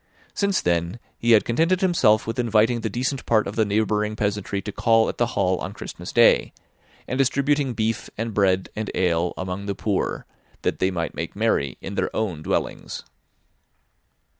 Since then, he had contented himself with inviting the decent part of the neighbouring peasantry to call at the Hall on Christmas Day, and distributing beef, and bread, and ale, among the poor, that they might make merry in their own dwellings.